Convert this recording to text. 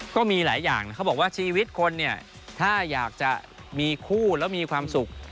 ก็มีหลายอย่างนะเขาบอกว่าชีวิตคนเนี่ยถ้าอยากจะมีคู่แล้วมีความสุข